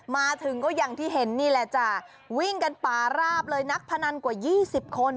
มาถึงก็อย่างที่เห็นนี่แหละจ้ะวิ่งกันป่าราบเลยนักพนันกว่า๒๐คน